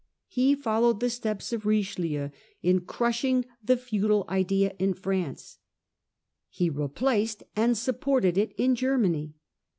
He followed the steps of Richelieu in crushing the feudal idea in France ; he replaced and supported it in Germany.